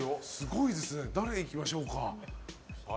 誰いきましょうか。